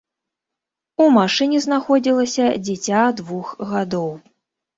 У машыне знаходзілася дзіця двух гадоў.